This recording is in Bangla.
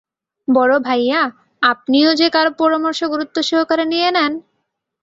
বড় ভাইয়া আপনিও যে কারও পরামর্শ গুরুত্ব সহকারে নিয়ে নেন!